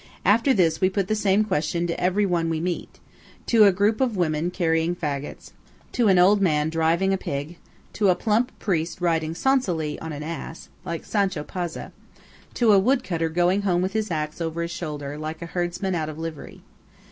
After this, we put the same question to everyone we meet–to a group of women carrying faggots; to an old man driving a pig; to a plump priest riding "sonsily" on an ass, like Sancho Panza; to a woodcutter going home with his axe over his shoulder, like a headsman out of livery.